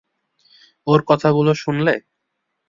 ওর কথাগুলো শুনলে?